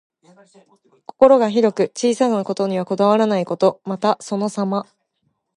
心が広く、小さいことにはこだわらないこと。また、そのさま。